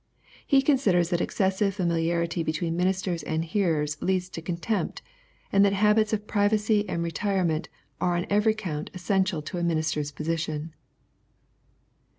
He consiiders that excessive familiarity between ministers and hearers leads to contempt, and that habits of privacy and retire ment are on every account essential to a minister's position.